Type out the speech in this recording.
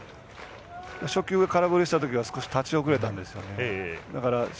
初球空振りしたときは立ち遅れたんですよね。